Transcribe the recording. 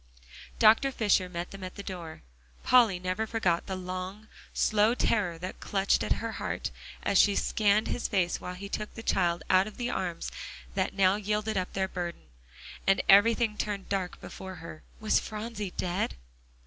Dr. Fisher met them at the door. Polly never forgot the long, slow terror that clutched at her heart as she scanned his face while he took the child out of the arms that now yielded up their burden. And everything turned dark before her eyes Was Phronsie dead?